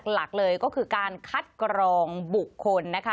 หลักเลยก็คือการคัดกรองบุคคลนะคะ